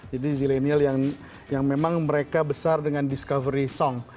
jadi zillennial yang memang mereka besar dengan discovery song